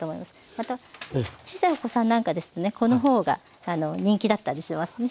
また小さいお子さんなんかですとねこの方が人気だったりしますね。